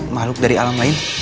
makhluk dari alam lain